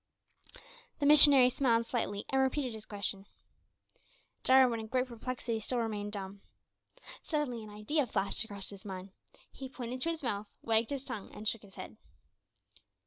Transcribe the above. The missionary smiled slightly, and repeated his question. Jarwin, in great perplexity, still remained dumb. Suddenly an idea flashed across his mind. He pointed to his mouth, wagged his tongue, and shook his head.